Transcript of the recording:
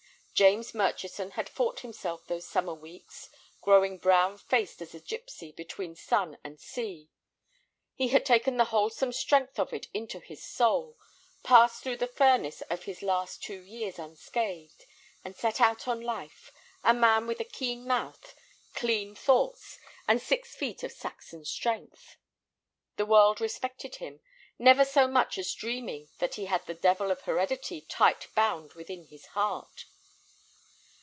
James Murchison had fought himself those summer weeks, growing brown faced as a gypsy between sun and sea. He had taken the wholesome strength of it into his soul, passed through the furnace of his last two years unscathed, and set out on life, a man with a keen mouth, clean thoughts, and six feet of Saxon strength. The world respected him, never so much as dreaming that he had the devil of heredity tight bound within his heart.